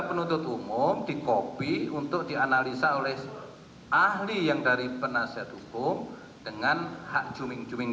penuntut umum di copy untuk dianalisa oleh ahli yang dari penasihat hukum dengan hak zooming zooming